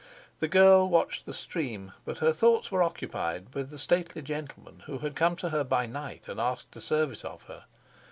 The girl watched the stream, but her thoughts were occupied with the stately gentleman who had come to her by night and asked a service of her.